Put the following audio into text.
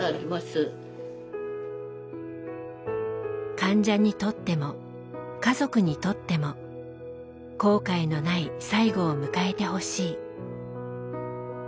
「患者にとっても家族にとっても後悔のない最期を迎えてほしい」。